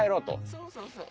そうそうそう。